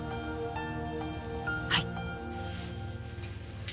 はい。